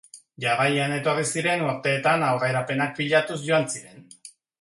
Jarraian etorri ziren urteetan aurrerapenak pilatuz joan ziren.